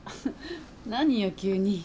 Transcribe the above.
何よ急に。